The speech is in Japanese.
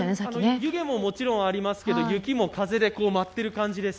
湯気ももちろんありますけど、雪も風で舞っている感じです。